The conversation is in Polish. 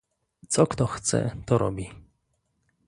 "Co kto chce, to robi."